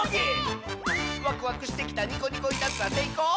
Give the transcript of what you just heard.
「ワクワクしてきたニコニコいたずら」「せいこう？